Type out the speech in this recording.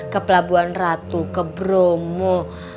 ke pelabuhan ratu ke bromo ke anyar